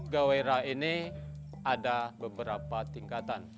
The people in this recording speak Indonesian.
gawai ra ini ada beberapa tingkatan